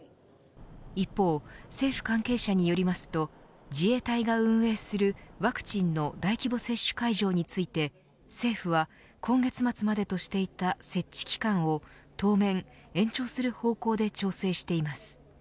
一方、政府関係者によりますと自衛隊が運営するワクチンの大規模接種会場について政府は、今月末までとしていた設置期間を当面、延長する方向で調整しています。